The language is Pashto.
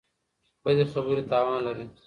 بدې خبرې تاوان لري.